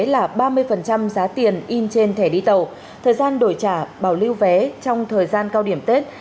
là ba mươi giá tiền in trên thẻ đi tàu thời gian đổi trả bảo lưu vé trong thời gian cao điểm tết